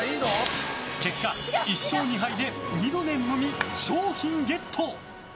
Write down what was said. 結果、１勝２敗でニドネンのみ商品ゲット！